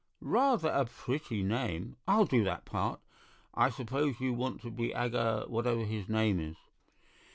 "Rather a pretty name. I'll do that part. I suppose you want to be Aga—whatever his name is?"